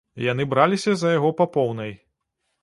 Яны браліся за яго па поўнай.